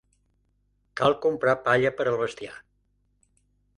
Cal comprar palla per al bestiar.